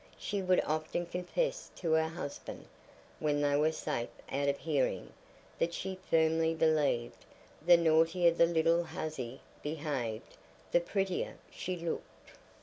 —she would often confess to her husband, when they were safe out of hearing, that she firmly believed, "the naughtier the little huzzy behaved, the prettier she looked."